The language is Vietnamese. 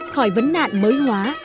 khỏi vấn nạn mới hóa